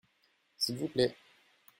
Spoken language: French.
S’il vous plait.